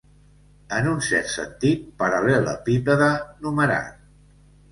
En un cert sentit, paral·lelepípede numerat.